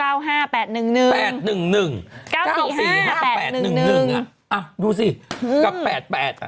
อ่ะดูสิกับ๘๘อ่ะ